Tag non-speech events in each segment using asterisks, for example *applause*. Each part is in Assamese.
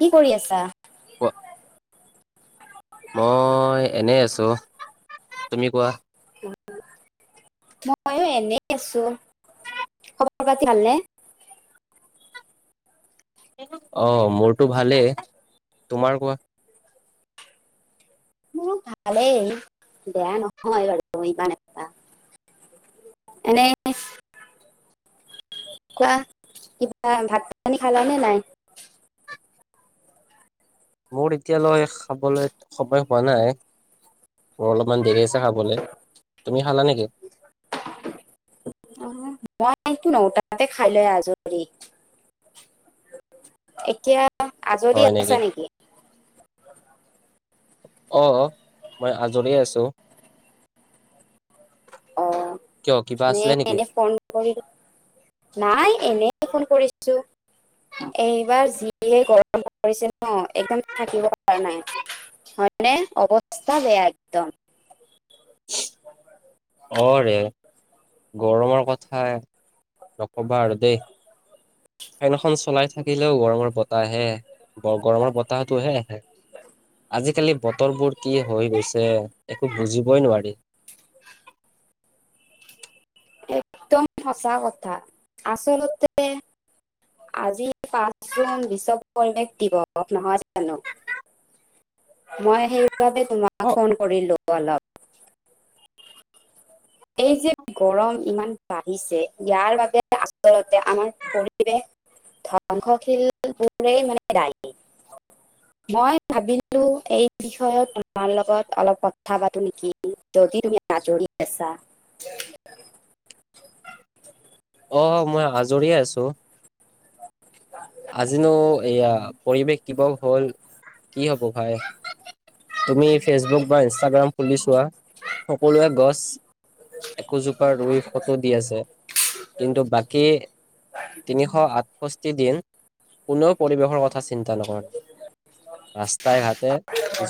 কি কৰি আছা মই এনে আছোঁ তুমি কোৱা। মইও এনে আছোঁ খবৰ পাতি ভালে নে? অ' মোৰতো ভালেই, তোমাৰ কোৱা। মোৰ ভালেই বেয়া নহয় বাৰু ইমান এটা। এনে। কোৱা কিবা ভাত পানী খালা নে নাই? মোৰ এতিয়ালৈ খাবলৈ। সময় হোৱা নাই মোৰ অলপমান দেৰি আছে খাবলৈ তুমি খালা নেকি? *inaudible* অ' মইটো নটাতে খাই লৈ আজৰি। এতিয়া আজৰি আছা নেকি? অ' মই আজৰিয়ে আছোঁ। অ' এনে ফোন *unintelligible* নাই এনে ফোন কৰিছো। এইবাৰ যিয়ে গৰম পৰিছে নহ একদম থাকিব পৰা নাই। হয়নে অৱস্থা বেয়া একদম। অৰে গৰমৰ কথা নক'বা আৰু দেই। ফেন এখন চলাই থাকিলেও গৰমৰ বতাহ আহে গৰমৰ বতাহটোহে আহে। আজিকালি বতৰবোৰ কি হৈ গৈছে একো বুজিবই নোৱাৰি। *inaudible* একদম সঁচা কথা আচলতে। আজি পাঁচ জুন বিশ্ব পৰিৱেশ দিৱস নহয় জানোঁ। মই সেইবাবে তোমাক অ ফোন কৰিলো অলপ। এই যে গৰম ইমান বাঢ়িছে ইয়াৰ বাবে আচলতে আমাৰ পৰিৱেশ *unintelligible* মই ভাবিলো এই বিষয়ে তোমাৰ লগত অলপ কথা পাতো নেকি। যদি তুমি আজৰি আছা। অ' মই আজৰিয়ে আছোঁ আজিনো এয়া পৰিৱেশ দিৱস হ'ল কি হ'ব ভাই। তুমি ফেচবুক বা ইনষ্টাগ্ৰাম খুলি চোৱা সকলোৱে গছ একোজোপা ৰুই ফটো দি আছে কিন্তু বাকী তিনিশ আঠষষ্ঠি দিন। কোনেও পৰিৱেশৰ কথা চিন্তা নকৰে। ৰাস্তাই ঘাটে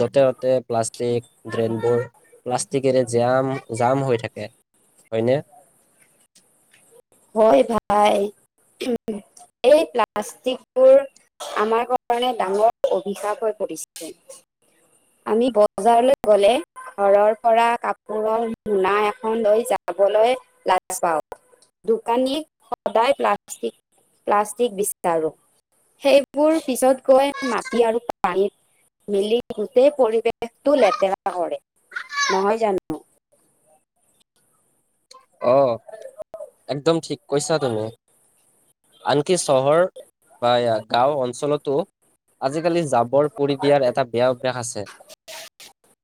য'তে ততে প্লাষ্ট টেক ড্ৰেইনবোৰ প্লাষ্টিকেৰে জাম, জাম হৈ থাকে হয়নে। হয় ভাই। এই প্লাষ্টিকবোৰ আমাৰ কাৰণে ডাঙৰ অভিশাপ হৈ পৰিছে। আমি বজাৰলৈ গ'লে ঘৰৰ পৰা কাপোৰৰ মূনা এখন লৈ যাবলৈ লাজ পাও। দোকানীক সদায় প্লাষ্টিক প্লাষ্টিক বিচাৰোঁ। সেইবোৰ পিছত গৈ মাটি আৰু পানীত মিলি গুতেই পৰিৱেশটো লেতেৰা হয় নহয় জানো। অ' একদম ঠিক কৈছা তুমি। আনকি চহৰ বা গাঁও অঞ্চলতো আজিকালি জাবৰ পুৰি দিয়াৰ এটা বেয়া অভ্যাস আছে।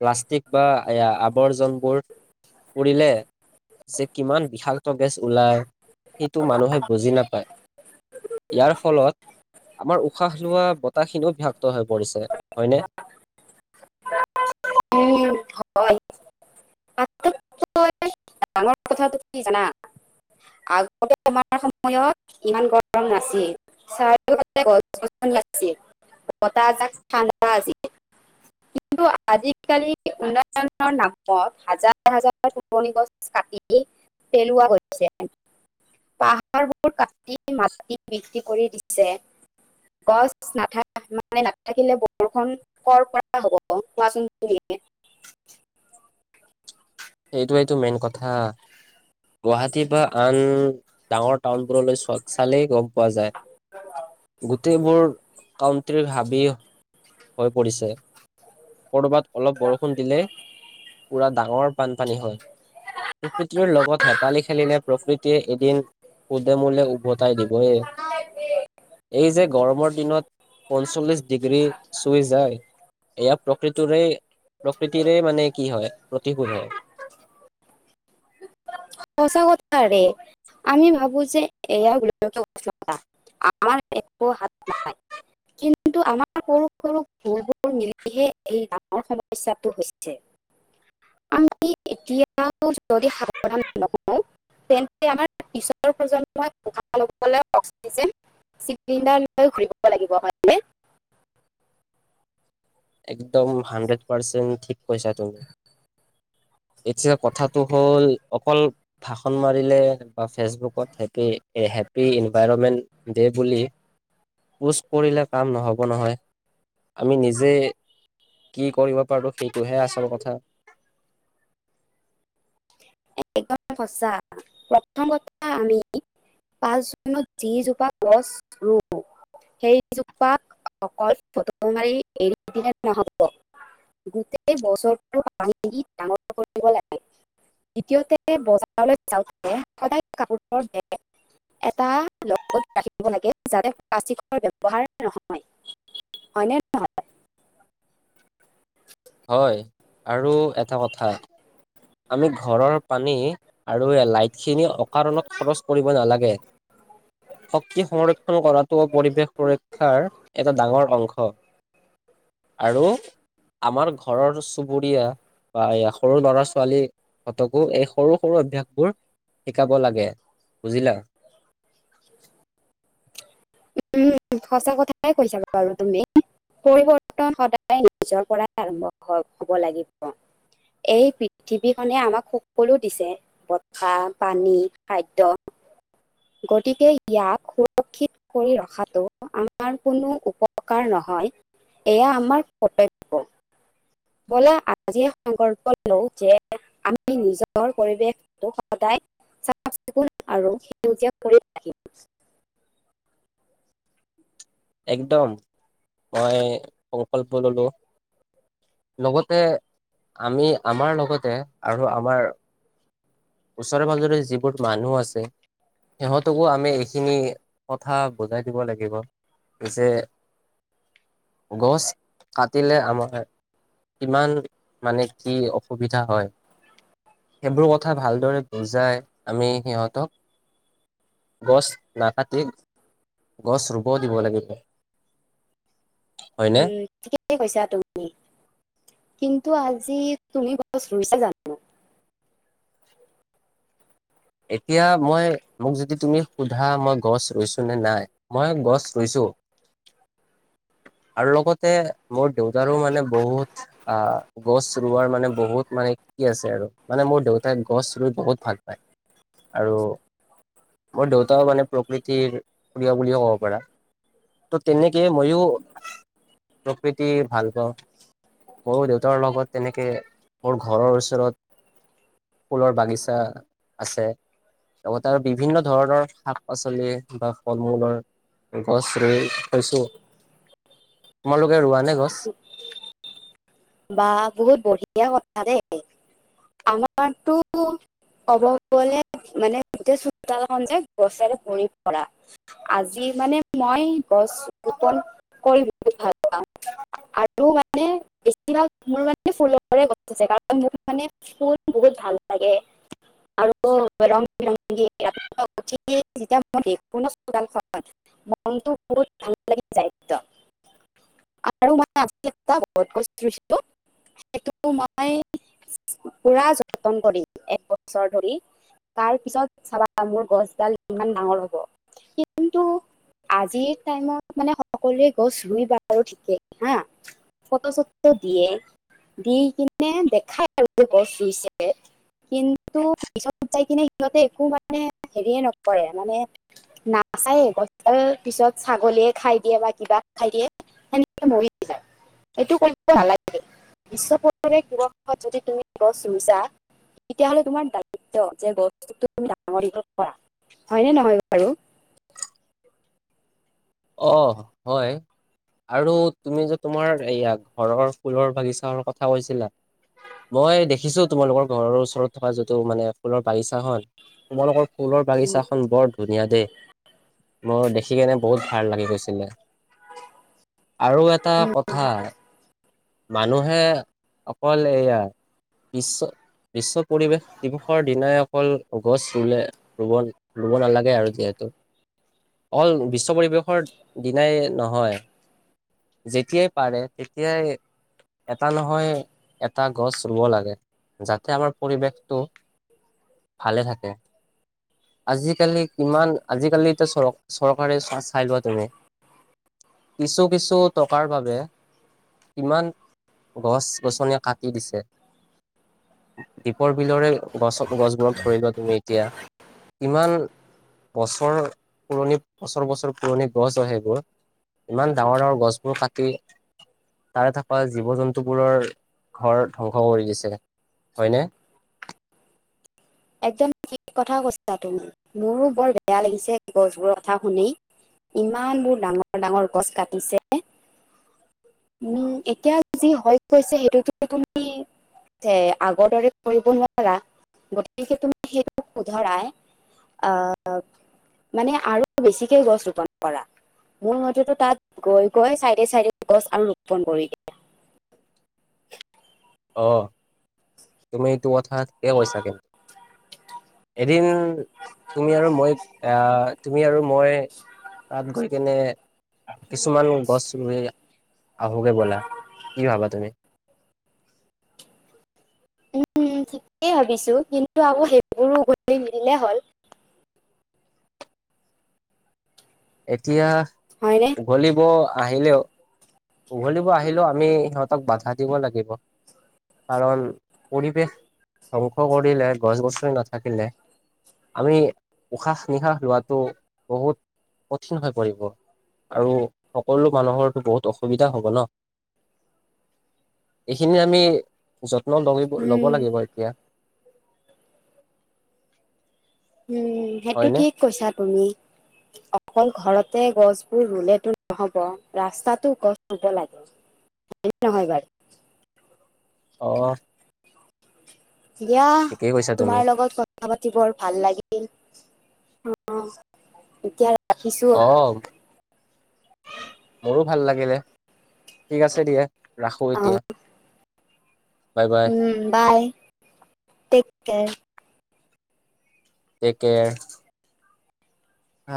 প্লাষ্টিক বা আৱৰ্জনাবোৰ পুৰিলে যে কিমান বিষাক্ত গেছ ওলাই। সেইটো মানুহে বুজি নাপায়। ইয়াৰ ফলত আমাৰ উশাহ লোৱা বতাহখিনিও ভাক্ত হৈ পৰিছে হয়নে। উ হয় *unintelligible* হয়। আচল কথাটো কি জানা। আগতে তোমাৰ সময়ত ইমান গৰম নাছিল। চাৰ গছ গছনি লাগছিল বতাহ এজাক ঠাণ্ডা আছিল। কিন্তু আজিকালি উন্নয়নৰ নামত হাজাৰ হাজাৰ পুৰণি গছ কাটি দি পেলোৱা হৈছে। পাহাৰবোৰ কাটি মাটি বিক্ৰী কৰি দিছে। গছ নাথ মানে নাথাকিলে বৰষুণ কৰ পৰা হ'ব কোৱাছোন তুমিএই। হেইটোৱেইতো মেইন কথা। গুৱাহাটীৰ বা আন ডাঙৰ টাউনবোৰলৈ চ চালেই গম পোৱা যায়। গোটেইবোৰ কাউন্ট্ৰীৰ হাবিএই হৈ পৰিছে। ক'ৰবাত অলপ বৰষুণ দিলে পুৰা ডাঙৰ বানপানী হয়। উদ্ভিদ যোৰ লগত হেতালি খেলিলে প্ৰকৃতিয়ে এদিন সুদেমোলে উভতাই দিবয়ে। এই যে গৰমৰ দিনত পঞ্চল্লিশ ডিগ্ৰী চুই যায় এয়া প্ৰকৃতিৰে প্ৰকৃতিৰে মানে কি হয় প্ৰতিশোধ হয়। সঁচা কথা ৰে আমি ভাবো যে এয়া গোলকীয় উষ্ণতা আমাৰ একো হাত নাই। কিন্তু আমাৰ সৰু সৰু ভুলবোৰ মিলিহে এই ডঙৰ সমস্যাটো হৈছে। আমি এতিয়াও যদি সাৱধান নহওঁ তেন্তে আমাৰ পিছৰ প্ৰজন্মই উসশা ল'বলৈ অক্সিজেন চিলিণ্ডাৰ লৈ ঘূৰিব লাগিব হয় নে? একদম হাড্ৰেড পাৰ্চেণ্ট ঠিক কৈছা তুমি। এতিয়া কথাটো হ'ল অকল ভাষণ মাৰিলে বা ফেচবুকত হেপী হেপী ইনভাইৰমেণ্ট দে বুলি পোচ কৰিলে কাম নহ'ব নহয়, আমি নিজে কি কৰিব পাৰো সেইটোহে আচল কথা। *inaudible* একদম সঁচা প্ৰথম কথা আমি। পাঁচ জুনত যিজোপা গছ ৰুম। সেইজোপা অকল ফটো মাৰি এৰি দিলে নহ'ব। গোটেই বছৰটো আমি ডাঙৰ কৰিব লাগিব। দ্বিতীয়তে বজাৰলৈ যাওঁতে সদায় কাপোৰৰ বেগ এটা লগত ৰাখিব লাগে যাতে, প্লাষ্টিকৰ ব্যবহাৰ নহয়, হয় নে? হয়, আৰু এটা কথা। আমি ঘৰৰ পানী আৰু লাইট খিনি অকাৰণত খৰচ কৰিব নালাগে। শক্তি সংৰক্ষণ কৰাটো পৰিৱেশ সুৰক্ষাৰ এটা ডাঙৰ অংশ। আৰু আমাৰ ঘৰৰ চুবুৰীয়া বা এয়া সৰু ল'ৰা চো ছোৱালী হঁতকো এই সৰু সৰু অভ্যাসবোৰ শিকাব লাগে বুজিলা? *inaudible* উম, সঁচা কথাই কৈছাবা বাৰু তুমি। পৰিৱৰ্তন সদায় নিজৰ পৰাই আৰম্ভ হ'ব লাগিব। এই পৃথিৱীখনে আমাক সকলো দিছে। বতাহ, পানী, খাদ্য, গতিকে ইয়াক সুৰক্ষিত কৰি ৰখাটো আমাৰ কোনো উপকাৰ নহয় এয়া আমাৰ কৰ্তব্য। ব'লা আজি সংকল্প লও যে আমি নিজৰ পৰিৱেশ সদায় চাফ-চিকুণ আৰু সেউজীয়া কৰি ৰাখিম। *inaudible* একদম মই সংকল্প ল'লো। লগতে আমি আমাৰ লগতে আৰু আমাৰ ওচৰে পাজৰে যিবোৰ মানুহ আছে। সিহঁতকো আমি এইখিনি কথা বুজাই দিব লাগিব। যে গছ কাটিলে আমাৰ কিমান মানে কি অসুবিধা হয়। সেইবোৰ কথা ভালদৰে বুজাই আমি সিহঁতক গছ নাকাটি গছ ৰুব দিব লাগে। হয়নে? উম। ঠিকে কৈছা তুমি কিন্তু, আজি তুমি গছ ৰুইছা জানো? এতিয়া মই মোক যদি তুমি সোধা মই গছ ৰুইছো নে নাই। মই গছ ৰুইছো। *inaudible* আৰু লগতে মোৰ দেউতাৰো মানে বহুত আহ গছ ৰুোৱাৰ মানে বহুত মানে কি আছে আৰু মানে মোৰ দেউতাই গছ ৰুই বহুত ভাল পায়। আৰু মোৰ দেউতাও মানে প্ৰকৃতিৰ প্ৰিয় বুলিও ক'ব পাৰা। ত' তেনেকে ময়ও প্ৰকৃতি ভাল পাওঁ। ময়ো দেউতাৰ লগত তেনেকে মোৰ ঘৰৰ ওচৰত ফুলৰ বাগিচা আছে লগতে আৰু বিভিন্ন ধৰণৰ শাক পাচলি বা ফল মূলৰ গছ ৰুই থৈছো তোমালোকে ৰোৱা নে গছ? বা বহুত বঢ়িয়া কথা দেই আমাৰ তো কব গলে মানে গোটাই চোতালখন যে গছেৰে ভৰি পৰা। আজি মানে মই গছ ৰোপন কৰি বহুত ভাল পাওঁ। আৰু মানে বেছিভাগ মোৰ মানে ফুলৰে গছ আছে কাৰণ মোৰ মানে ফুল বহুত ভাল লাগে। আৰু *unintelligible* *unintelligible* মনটো বহুত ভাল লাগি যায় একদম আৰু মানে *unintelligible* *unintelligible* সেইটো মই পুৰা যতন কৰিম একবছৰ ধৰি। তাৰ পিছত চাবা মোৰ গছডাল ইমান ডাঙৰ হ'ব কিন্তু আজিৰ টাইমত মানে সকলোৱে গছ ৰুই বা আৰু ঠিকেই হা। ফটো চটো দিয়ে দি কিনে দেখাই আৰু গছ ৰুইছে কিন্তু পিছত যাই কিনে সিহঁতে একো মানে হেৰিয়ে নকৰে মানে নাচায়ে গছডাল পিছত ছাগলীয়ে খাই দিয়ে বা কিবা খাই দিয়ে। সেনেকে মৰি যাই এইটো কৰিব নালাগে বিশ্ব পৰিৱেশ দিৱসত যদি তুমি গছ ৰুইচা তেতিয়াহ'লে তোমাৰ দায়িত্ব যে বস্তু *unintelligible* তুমি ডাঙৰ দীঘল কৰা হয়নে নহয় বাৰু। অ', হয়। আৰু তুমি যে তোমাৰ এইয়া ঘৰৰ ফুলৰ বাগিচ কথা কৈছিলা মই দেখিছো তোমালোকৰ ঘৰৰ ওচৰত থকা যিটো মানে ফুলৰ বাগিছাখন তোমালোকৰ ফুলৰ বাগিছাখন বৰ ধুনীয়া দে মোৰ দেখি কেনে বহুত ভাল লাগি গৈছিলে আৰু এটা উম, কথা। মানুহে অকল এইয়া বিশ্ব বিশ্ব পৰিৱেশ দিৱসৰ দিনাই অকল গছ ৰুলে ৰুব ৰুব নালাগে আৰু যিহেতু অল বিশ্ব পৰিৱেশৰ দিনাই নহয় যেতিয়াই পাৰে তেতিয়াই এটা নহয় এটা গছ ৰুব লাগে যাতে আমাৰ পৰিৱেশটো ভালে থাকে। আজিকালি কিমান আজিকালিটো চৰ চৰকাৰে চাই লোৱা তুমি কিছু কিছু টকাৰ বাবে কিমান গছ গছনি কাটি দিছে। দীপৰ বিলৰে গছ গছবোৰত ধৰি লোৱা তুমি এতিয়া ইমান বছৰ পুৰণি বছৰ বছৰ পুৰণি গছ হয় সেইবোৰ ইমান ডাঙৰ ডাঙৰ গছবোৰ কাটি তাৰে থকা জীৱ জন্তুবোৰৰ ঘৰ ধ্বংস কৰি দিছে হয় নে। একদম কথা কৈছা তুমি মোৰো বৰ বেয়া লাগিছে গছবোৰ কথা শুনি। ইমান বোৰ ডাঙৰ ডাঙৰ গছ কাটিছে। এতিয়া যি হৈ গৈছে সেইটোতো তুমি *unintelligible* আগৰ দৰে কৰিব নোৱাৰা গতিকে তুমি সেইটো শুধৰাই আ'। মানে আৰু বেছিকে গছ ৰোপন কৰা মোৰ মতেতো তাত গৈ গৈ চাইডে চাইডে গছ আৰু ৰোপণ কৰি অ তুমি ইটো কথা ঠিকে কৈছা কিন্ এদিন তুমি আৰু মই তুমি আৰু মই তাত গৈ কেনে কিছুমান গছ ৰুই আহোগে ব'লা কি ভাবা তুমি উম ঠিকেই ভাবিছোঁ, কিন্তু আকৌ সেইবোৰো উ গধি মিলিলে হ'ল। এতিয়া হয়নে? উঘলিব আহিলেওঁ উঘলিব আহিলেও আমি সিহঁতক বাধা দিব লাগিব। কাৰণ পৰিৱেশ ধ্বংস কৰিলে, গছ গছনি নাথাকিলে আমি উশাহ নিশাহ লোৱাটো বহুত কঠিন হৈ পৰিব। আৰু সকলো মানুহটো বহুত অস অসুবিধা হ'ব ন, এইখিনি আমি যত্ন ল লব উম, লাগিব এতিয়া। উম সেইটো হয়নে ঠিক কৈছা তুমি। অকল ঘৰতে গছবোৰ ৰুলেতো নহব, ৰাস্তাটো গছ ৰুব লাগে। হয় নহয় বাৰু? অহ। দিয়া ঠিকেই কৈছা তুমি তোমাৰ লগত কথ কথা পাতি বৰ ভাল লাগিল, অ এতিয়া ৰাখিছো অহ মোৰো ভাল লাগিলে, ঠিক আছে দিয়ে। অ bye bye um bye take care. Take care. আ।